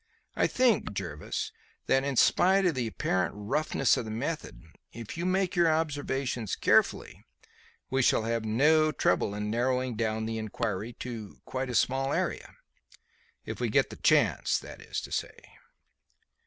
I think, Jervis, that, in spite of the apparent roughness of the method, if you make your observations carefully, we shall have no trouble in narrowing down the inquiry to a quite small area. If we get the chance, that is to say."